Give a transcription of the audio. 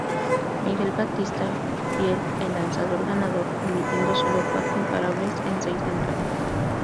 Miguel Batista fiel el lanzador ganador, permitiendo sólo cuatro imparables en seis entradas.